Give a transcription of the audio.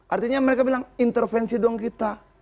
artinya mereka bilang intervensi dong kita